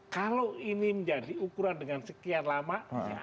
kalau ini menjadi ukuran dengan sekian lama